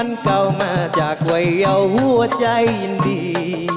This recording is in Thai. มันเก่ามาจากไว้เอาหัวใจยินดี